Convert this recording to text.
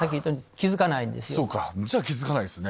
じゃあ気付かないですね